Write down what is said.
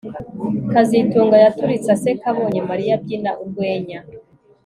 kazitunga yaturitse aseka abonye Mariya abyina urwenya